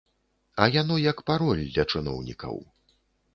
А яно як пароль для чыноўнікаў.